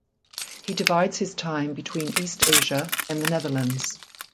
He divides his time between East Asia and the Netherlands.